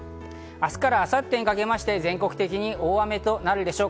明日から明後日にかけまして、全国的に大雨となるでしょう。